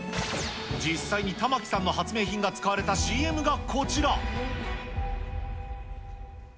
実際に玉城さんの発明品が使われたＣＭがこちら。